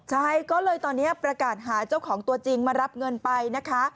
ใช่ก็เลยตอนนี้ประกาศหาเจ้าของตัวจริงมารับเงินไปนะคะ